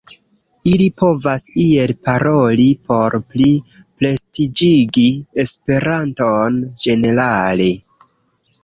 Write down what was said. Ili povas iel paroli por pli prestiĝigi esperanton ĝenerale.